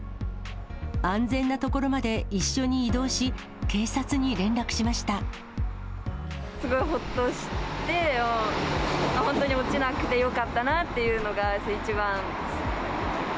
安全な所まで一緒に移動し、すごいほっとして、本当に落ちなくてよかったなっていうのが一番ですね。